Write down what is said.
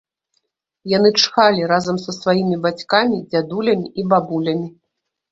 Яны чхалі разам са сваімі бацькамі, дзядулямі і бабулямі.